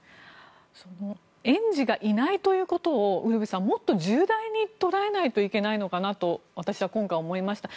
園児がいないということをウルヴェさん、もっと重大に捉えないといけないのかなと私は今回思いました。